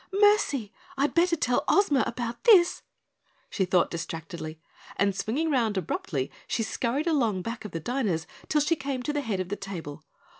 "Mercy, I'd better tell Ozma about this," she thought distractedly, and swinging round abruptly she scurried along back of the diners till she came to the head of the table.